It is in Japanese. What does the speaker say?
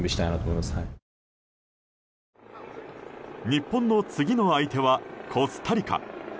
日本の次の相手はコスタリカ。